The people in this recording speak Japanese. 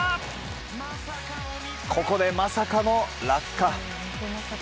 ここでまさかの落下。